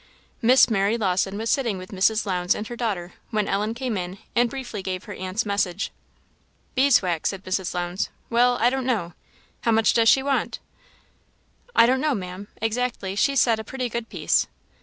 Miss Mary Lawson was sitting with Mrs. Lowndes and her daughter, when Ellen came in and briefly gave her aunt's message. "Bees' wax," said Mrs. Lowndes "well, I don't know How much does she want?" "I don't know, Ma'am, exactly: she said a pretty good piece."